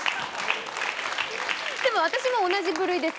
でも私も同じ部類です。